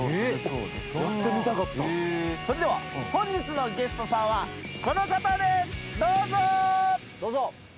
それでは本日のゲストさんは、どうぞ！